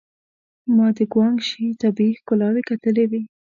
ما د ګوانګ شي طبيعي ښکلاوې کتلې وې.